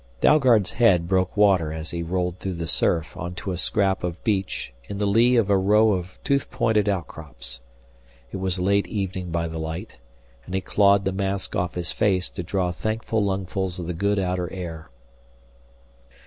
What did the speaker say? Dalgard's head broke water as he rolled through the surf onto a scrap of beach in the lee of a row of tooth pointed outcrops. It was late evening by the light, and he clawed the mask off his face to draw thankful lungfuls of the good outer air.